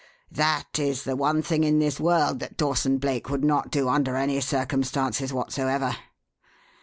That is the one thing in this world that Dawson Blake would not do under any circumstances whatsoever.